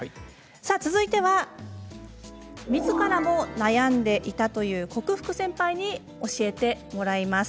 続いては、みずからも悩んでいた克服センパイに教えてもらいます。